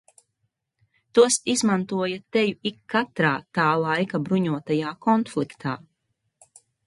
Tos izmantoja teju ikkatrā tā laika bruņotajā konfliktā.